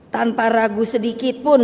tanpa ragu sedikitpun